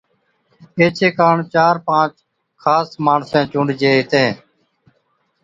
ايڇي ڪاڻ چار پانچ خاص ماڻسين چُونڊجي ھِتين